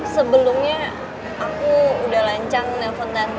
sebetulnya aku udah lancang nelfon tante